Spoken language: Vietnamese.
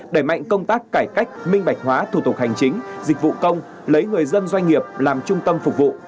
đẩy mạnh công tác cải cách minh bạch hóa thủ tục hành chính dịch vụ công lấy người dân doanh nghiệp làm trung tâm phục vụ